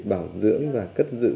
bảo dưỡng và cất dự